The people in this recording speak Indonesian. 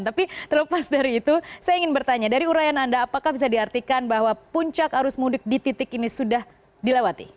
tapi terlepas dari itu saya ingin bertanya dari urayan anda apakah bisa diartikan bahwa puncak arus mudik di titik ini sudah dilewati